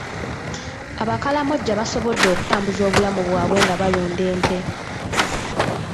Abakalamojja basobodde okutambuza obulamu bwabwe nga balunda ente.